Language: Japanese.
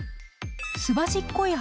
すばしっこい